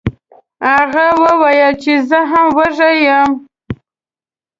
هغه وویل چې زه هم وږی یم.